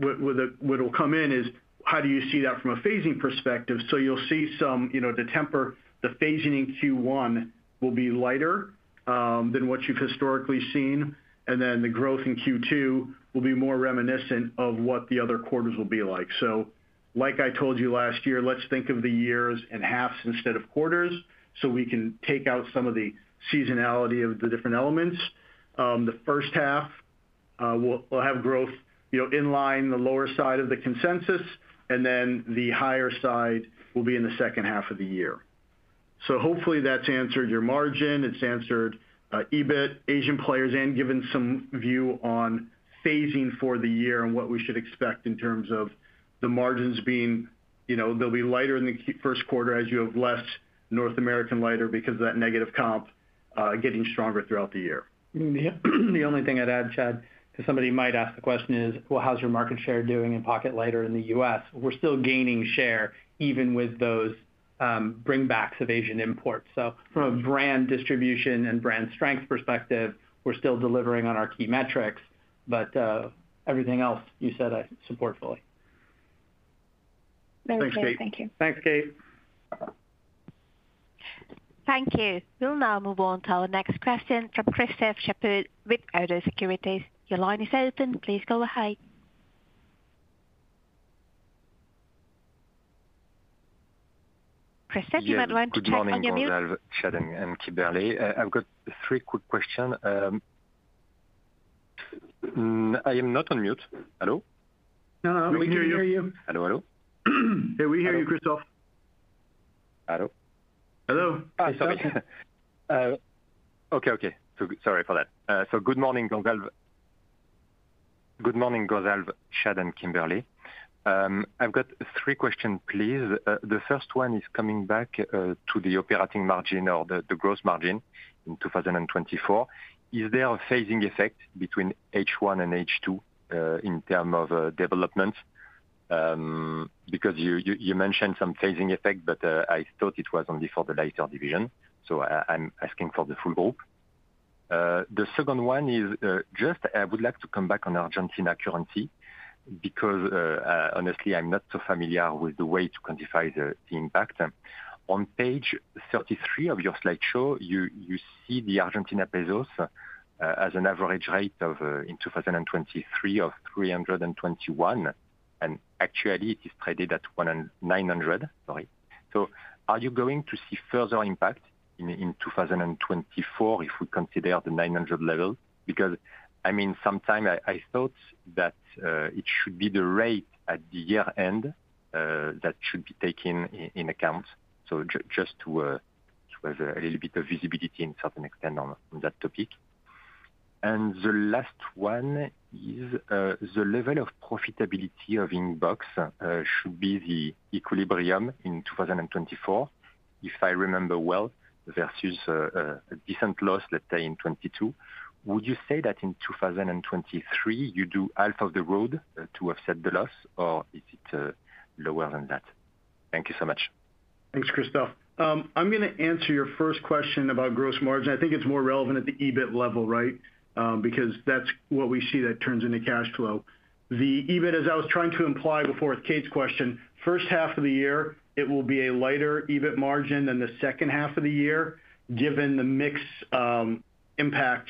Where it'll come in is, how do you see that from a phasing perspective? So you'll see some, you know, the tempering, the phasing in Q1 will be lighter than what you've historically seen, and then the growth in Q2 will be more reminiscent of what the other quarters will be like. So like I told you last year, let's think of the years in halves instead of quarters, so we can take out some of the seasonality of the different elements. The first half will have growth, you know, in line, the lower side of the consensus, and then the higher side will be in the second half of the year. So hopefully that's answered your margin, it's answered, EBIT, Asian players, and given some view on phasing for the year and what we should expect in terms of the margins being, you know, they'll be lighter in the first quarter as you have less North American lighter because of that negative comp, getting stronger throughout the year. The only thing I'd add, Chad, because somebody might ask the question is: Well, how's your market share doing in pocket lighter in the U.S.? We're still gaining share, even with those bring backs of Asian imports. So from a brand distribution and brand strength perspective, we're still delivering on our key metrics, but everything else you said, I support fully. Very clear. Thanks, Kate. Thank you. Thanks, Kate. Thank you. We'll now move on to our next question from Christophe Cherblanc with Oddo BHF. Your line is open. Please go ahead. Christophe, you might want to check on your mute. Good morning, Chad and Kimberly. I've got three quick question. I am not on mute. Hello? No, we can hear you. We can hear you. Hello, hello? Yeah, we hear you, Christophe. Hello? Hello. Ah, sorry. Okay, okay. So sorry for that. So good morning, Gonzalve, Chad, and Kimberly. I've got three questions, please. The first one is coming back to the operating margin or the gross margin in 2024. Is there a phasing effect between H1 and H2 in terms of development? Because you mentioned some phasing effect, but I thought it was only for the lighter division, so I'm asking for the full group. The second one is just I would like to come back on Argentina currency, because honestly, I'm not so familiar with the way to quantify the impact. On page 33 of your slideshow, you see the Argentine pesos as an average rate of ARS 321 in 2023, and actually it is traded at 1,900. Sorry. So are you going to see further impact in 2024, if we consider the 900 level? Because, I mean, sometimes I thought that it should be the rate at the year-end that should be taken in account. So just to have a little bit of visibility and certain extent on that topic. And the last one is the level of profitability of Inkbox should be the equilibrium in 2024, if I remember well, versus a different loss, let's say, in 2022. Would you say that in 2023, you do half of the road to offset the loss, or is it lower than that? Thank you so much. Thanks, Christophe. I'm gonna answer your first question about gross margin. I think it's more relevant at the EBIT level, right? Because that's what we see that turns into cash flow. The EBIT, as I was trying to imply before with Kate's question, first half of the year, it will be a lighter EBIT margin than the second half of the year, given the mix, impact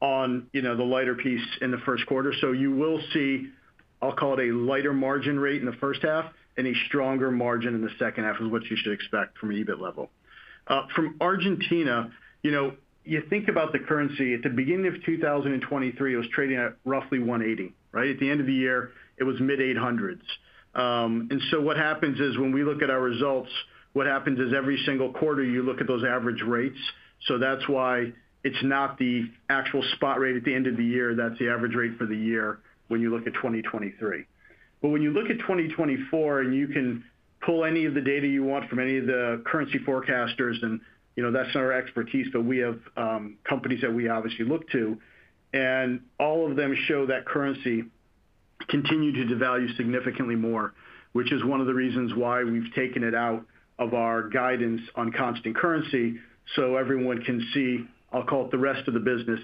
on, you know, the lighter piece in the first quarter. So you will see, I'll call it a lighter margin rate in the first half and a stronger margin in the second half, is what you should expect from an EBIT level. From Argentina, you know, you think about the currency, at the beginning of 2023, it was trading at roughly 180, right? At the end of the year, it was mid-800s. And so what happens is, when we look at our results, what happens is every single quarter, you look at those average rates. So that's why it's not the actual spot rate at the end of the year, that's the average rate for the year when you look at 2023. But when you look at 2024, and you can pull any of the data you want from any of the currency forecasters, and, you know, that's not our expertise, but we have companies that we obviously look to, and all of them show that currency continued to devalue significantly more, which is one of the reasons why we've taken it out of our guidance on constant currency, so everyone can see, I'll call it the rest of the business,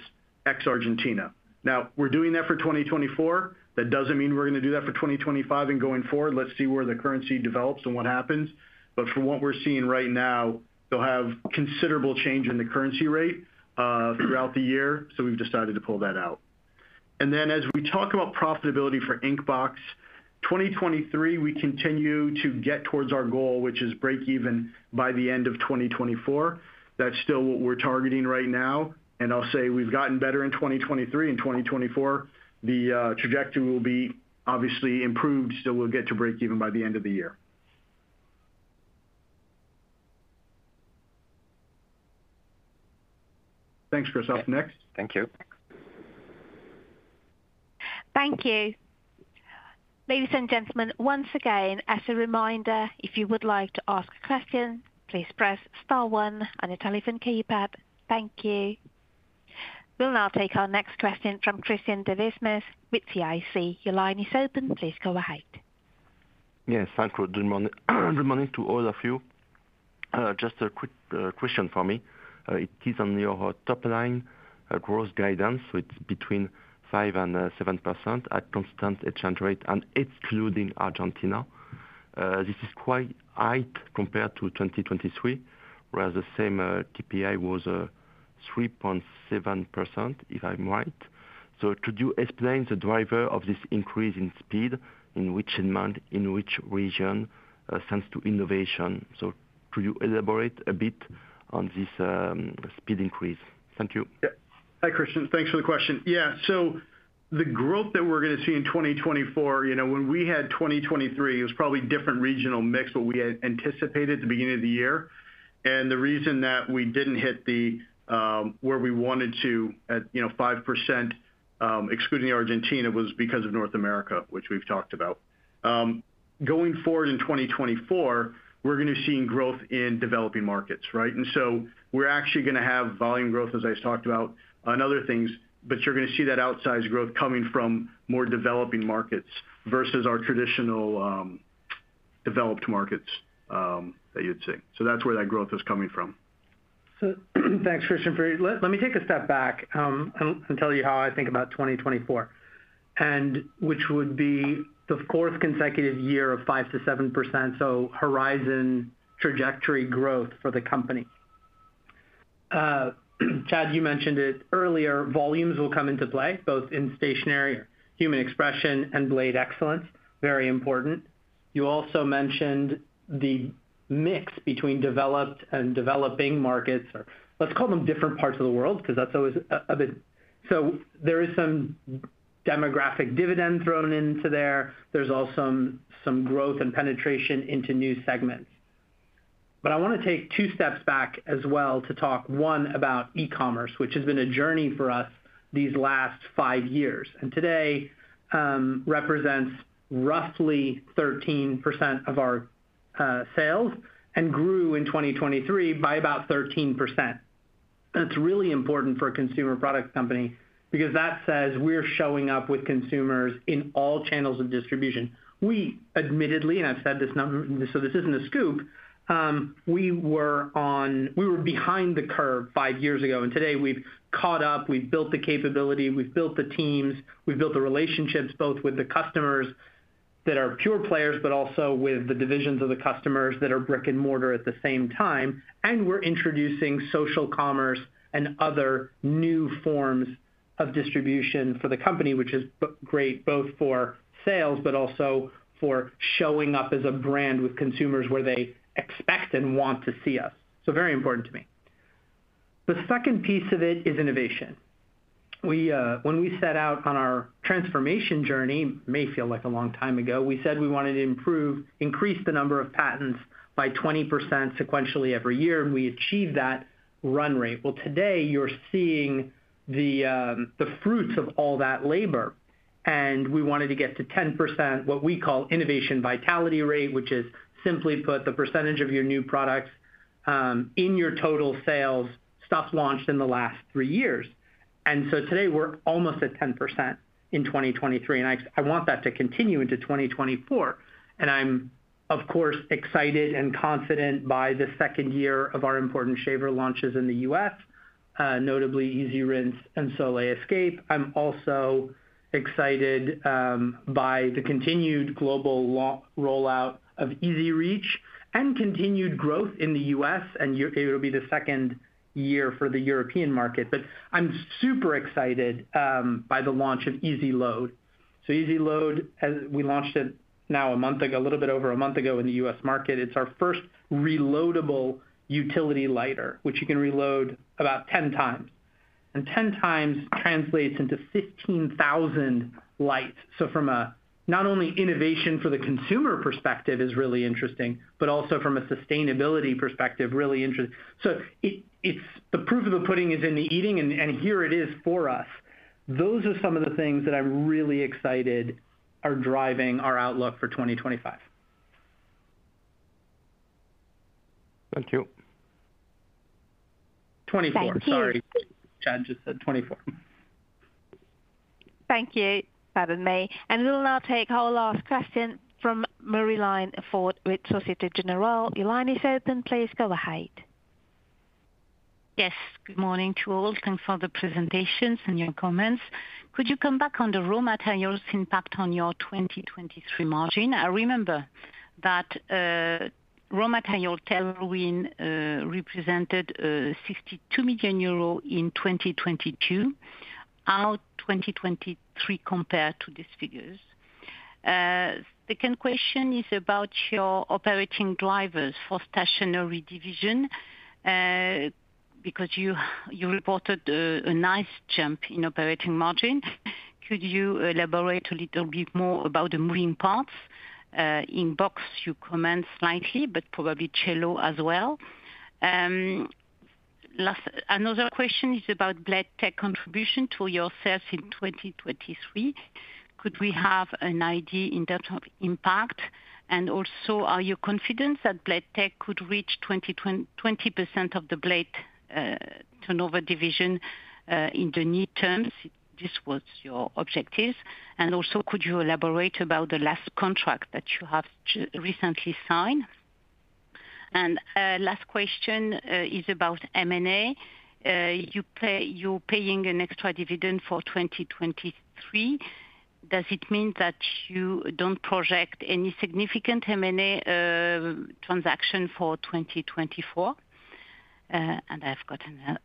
ex Argentina. Now, we're doing that for 2024. That doesn't mean we're gonna do that for 2025 and going forward. Let's see where the currency develops and what happens. But from what we're seeing right now, they'll have considerable change in the currency rate throughout the year, so we've decided to pull that out. And then as we talk about profitability for Inkbox, 2023, we continue to get towards our goal, which is break even by the end of 2024. That's still what we're targeting right now, and I'll say we've gotten better in 2023 and 2024. The trajectory will be obviously improved, so we'll get to break even by the end of the year. Thanks, Christophe. Next? Thank you. Thank you. Ladies and gentlemen, once again, as a reminder, if you would like to ask a question, please press star one on your telephone keypad. Thank you. We'll now take our next question from Christian Devismes with CIC. Your line is open. Please go ahead.... Yes, thank you. Good morning, good morning to all of you. Just a quick question for me. It is on your top line growth guidance. So it's between 5% and 7% at constant exchange rate and excluding Argentina. This is quite high compared to 2023, whereas the same CPI was 3.7%, if I'm right. So could you explain the driver of this increase in speed, in which demand, in which region, thanks to innovation? So could you elaborate a bit on this speed increase? Thank you. Yeah. Hi, Christian. Thanks for the question. Yeah, so the growth that we're gonna see in 2024, you know, when we had 2023, it was probably different regional mix, but we had anticipated at the beginning of the year. And the reason that we didn't hit the where we wanted to at, you know, 5%, excluding Argentina, was because of North America, which we've talked about. Going forward in 2024, we're gonna be seeing growth in developing markets, right? And so we're actually gonna have volume growth, as I talked about, on other things, but you're gonna see that outsized growth coming from more developing markets versus our traditional developed markets that you'd see. So that's where that growth is coming from. So, thanks, Christian, for... Let me take a step back, and tell you how I think about 2024, and which would be the fourth consecutive year of 5%-7%, so Horizon trajectory growth for the company. Chad, you mentioned it earlier, volumes will come into play, both in stationery, Human Expression, and Blade Excellence, very important. You also mentioned the mix between developed and developing markets, or let's call them different parts of the world, because that's always a bit... So there is some demographic dividend thrown into there. There's also some growth and penetration into new segments. But I wanna take two steps back as well to talk, one, about e-commerce, which has been a journey for us these last five years, and today represents roughly 13% of our sales and grew in 2023 by about 13%. That's really important for a consumer product company because that says we're showing up with consumers in all channels of distribution. We admittedly, and I've said this number, so this isn't a scoop, we were behind the curve five years ago, and today we've caught up, we've built the capability, we've built the teams, we've built the relationships, both with the customers that are pure players, but also with the divisions of the customers that are brick-and-mortar at the same time. We're introducing social commerce and other new forms of distribution for the company, which is great both for sales, but also for showing up as a brand with consumers where they expect and want to see us. Very important to me. The second piece of it is innovation. We, when we set out on our transformation journey (may feel like a long time ago), we said we wanted to improve, increase the number of patents by 20% sequentially every year, and we achieved that run rate. Well, today, you're seeing the fruits of all that labor, and we wanted to get to 10%, what we call innovation vitality rate, which is simply put, the percentage of your new products in your total sales, stuff launched in the last three years. So today, we're almost at 10% in 2023, and I want that to continue into 2024. I'm of course excited and confident by the second year of our important shaver launches in the U.S., notably EasyRinse and Soleil Escape. I'm also excited by the continued global rollout of EZ Reach and continued growth in the U.S., and it will be the second year for the European market. But I'm super excited by the launch of EZ Load. So EZ Load, as we launched it now a month ago, a little bit over a month ago in the U.S. market, it's our first reloadable utility lighter, which you can reload about 10x. And 10x translates into 15,000 lights. So from a not only innovation for the consumer perspective is really interesting, but also from a sustainability perspective, really interesting. So, it's the proof of the pudding is in the eating, and here it is for us. Those are some of the things that I'm really excited are driving our outlook for 2025. Thank you. 2024. Thank you. Sorry, Chad just said 2024. Thank you, pardon me. We'll now take our last question from Marie-Line Fort with Société Générale. Your line is open. Please go ahead. Yes, good morning to all. Thanks for the presentations and your comments. Could you come back on the raw materials impact on your 2023 margin? I remember that raw material tailwind represented EUR 62 million in 2022. How 2023 compare to these figures? Second question is about your operating drivers for stationery division, because you reported a nice jump in operating margin. Could you elaborate a little bit more about the moving parts? Inkbox, you comment slightly, but probably Cello as well. Last, another question is about Blade Tech contribution to your sales in 2023. Could we have an idea in terms of impact? And also, are you confident that Blade Tech could reach 20% of the blade turnover division in the near terms? This was your objective. And also, could you elaborate about the last contract that you have recently signed? Last question is about M&A. You're paying an extra dividend for 2023. Does it mean that you don't project any significant M&A transaction for 2024? And I've got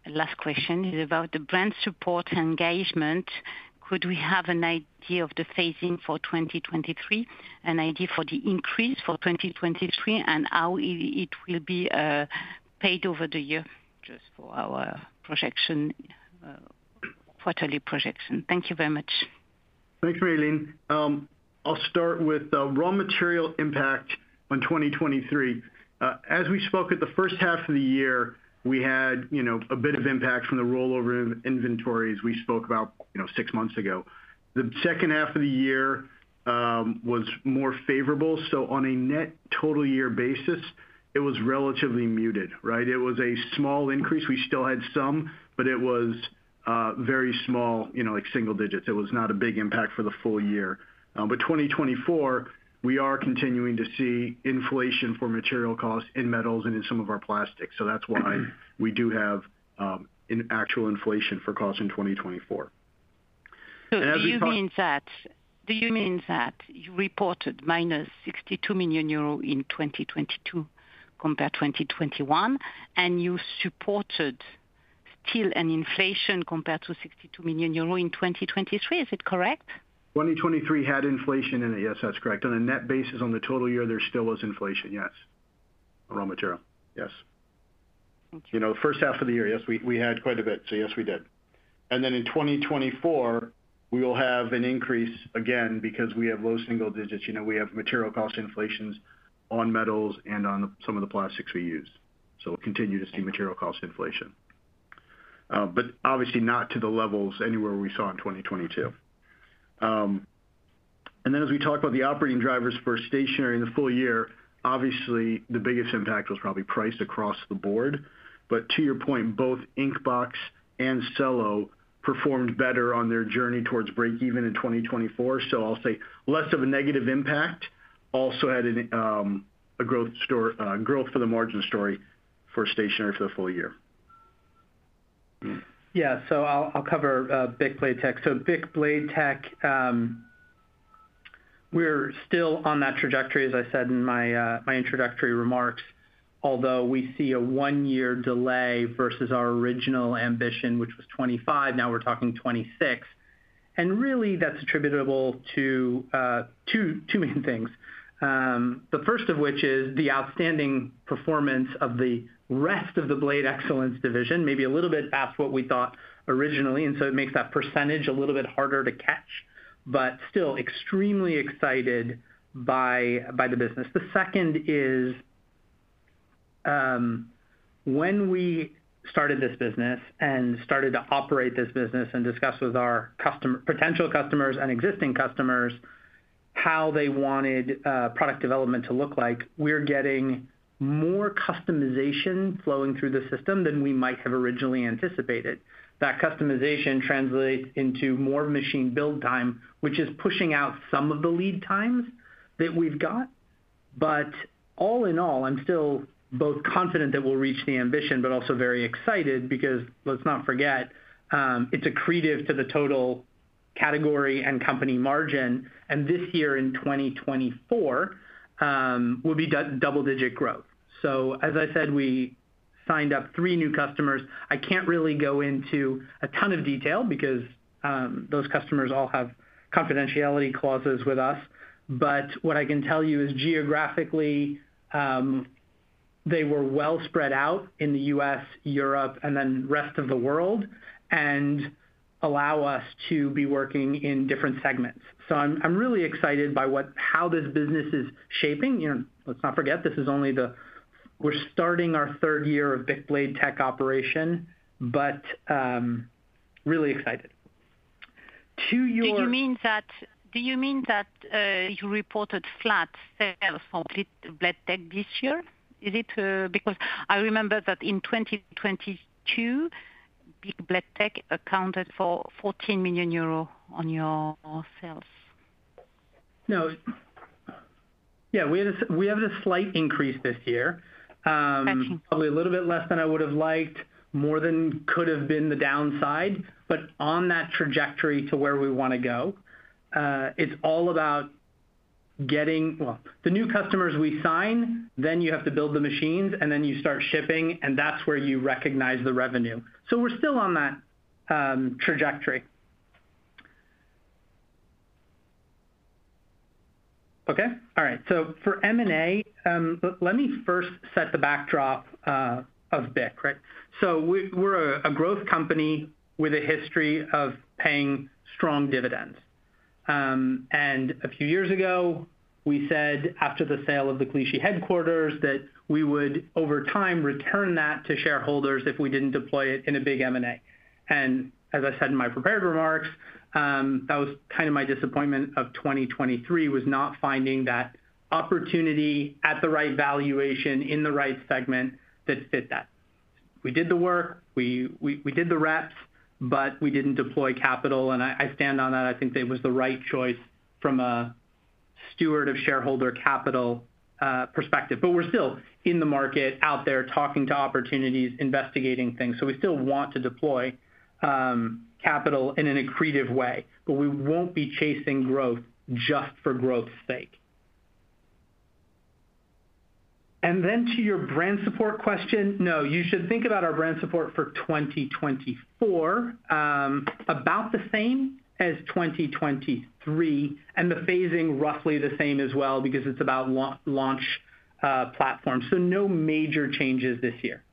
a last question is about the brand support engagement. Could we have an idea of the phasing for 2023, an idea for the increase for 2023, and how it will be paid over the year, just for our projection, quarterly projection? Thank you very much. Thanks, Marie-Line. I'll start with the raw material impact on 2023. As we spoke at the first half of the year, we had, you know, a bit of impact from the rollover in inventories we spoke about, you know, six months ago. The second half of the year was more favorable, so on a net total year basis, it was relatively muted, right? It was a small increase. We still had some, but it was very small, you know, like single digits. It was not a big impact for the full-year. But 2024, we are continuing to see inflation for material costs in metals and in some of our plastics, so that's why we do have an actual inflation for costs in 2024. Do you mean that- And as we talk- Do you mean that you reported -62 million euros in 2022, compared to 2021, and you supported still an inflation compared to 62 million euro in 2023, is it correct? 2023 had inflation in it, yes, that's correct. On a net basis, on the total year, there still was inflation, yes. Raw material, yes. Thank you. You know, first half of the year, yes, we had quite a bit, so yes, we did. And then in 2024, we will have an increase again because we have low single digits. You know, we have material cost inflations on metals and on some of the plastics we use, so we'll continue to see material cost inflation. But obviously not to the levels anywhere we saw in 2022. And then as we talk about the operating drivers for stationery in the full-year, obviously, the biggest impact was probably priced across the board. But to your point, both Inkbox and Cello performed better on their journey towards break-even in 2024. So I'll say less of a negative impact also had a growth story, growth for the margin story for stationery for the full-year. Yeah, so I'll cover BIC Blade Tech. So BIC Blade Tech, we're still on that trajectory, as I said in my introductory remarks, although we see a one-year delay versus our original ambition, which was 2025, now we're talking 2026. And really, that's attributable to two main things. The first of which is the outstanding performance of the rest of the Blade Excellence division, maybe a little bit past what we thought originally, and so it makes that percentage a little bit harder to catch, but still extremely excited by the business. The second is, when we started this business and started to operate this business and discuss with our potential customers and existing customers, how they wanted product development to look like, we're getting more customization flowing through the system than we might have originally anticipated. That customization translates into more machine build time, which is pushing out some of the lead times that we've got. But all in all, I'm still both confident that we'll reach the ambition, but also very excited, because let's not forget, it's accretive to the total category and company margin, and this year, in 2024, will be double-digit growth. So as I said, we signed up three new customers. I can't really go into a ton of detail because those customers all have confidentiality clauses with us. But what I can tell you is geographically, they were well spread out in the U.S., Europe, and then rest of the world, and allow us to be working in different segments. So I'm really excited by how this business is shaping. You know, let's not forget, this is only the... We're starting our third year of BIC Blade Tech operation, but really excited. To your- Do you mean that you reported flat sales for Blade Tech this year? Is it... Because I remember that in 2022, BIC Blade Tech accounted for 14 million euro on your sales. No. Yeah, we had a slight increase this year. Thank you. Probably a little bit less than I would have liked, more than could have been the downside, but on that trajectory to where we wanna go. It's all about getting... Well, the new customers we sign, then you have to build the machines, and then you start shipping, and that's where you recognize the revenue. So we're still on that trajectory. Okay? All right. So for M&A, let me first set the backdrop of BIC, right? So we're a growth company with a history of paying strong dividends. And a few years ago, we said, after the sale of the Clichy headquarters, that we would, over time, return that to shareholders if we didn't deploy it in a big M&A. And as I said in my prepared remarks, that was kind of my disappointment of 2023, was not finding that opportunity at the right valuation, in the right segment, that fit that. We did the work, we did the reps, but we didn't deploy capital, and I stand on that. I think it was the right choice from a steward of shareholder capital perspective. But we're still in the market, out there, talking to opportunities, investigating things. So we still want to deploy capital in an accretive way, but we won't be chasing growth just for growth's sake. To your brand support question, no, you should think about our brand support for 2024, about the same as 2023, and the phasing roughly the same as well, because it's about launch platforms, so no major changes this year.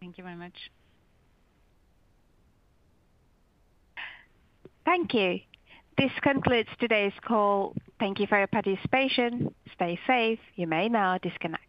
Thank you very much. Thank you. This concludes today's call. Thank you for your participation. Stay safe. You may now disconnect.